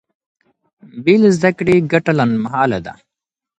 بې له زده کړې ګټه لنډمهاله ده.